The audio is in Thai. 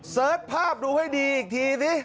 เสิร์ชภาพดูให้ดีอีกทีสิ